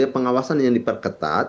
pengawasan yang diperketat